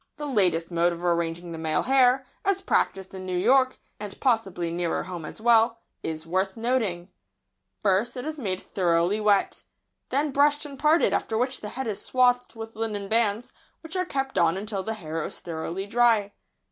The latest mode of arranging the male hair, as practised in New York, and possibly nearer home as well, is worth noting. [Sidenote: The hair.] First it is made thoroughly wet, then brushed and parted, after which the head is swathed with linen bands, which are kept on until the hair is thoroughly dry.